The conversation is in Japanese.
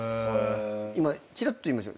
今ちらっと言いました